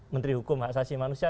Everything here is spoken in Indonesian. menteri hukum asasi manusia